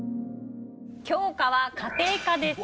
教科は家庭科です。